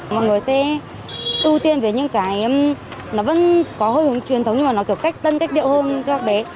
mọi người sẽ ưu tiên với những cái nó vẫn có hơi hướng truyền thống nhưng mà nó kiểu cách tân cách điệu hơn cho các bé